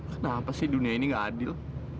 kenapa sih dunia ini gak adil